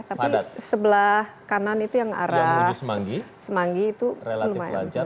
tapi sebelah kanan itu yang arah semanggi itu lumayan jauh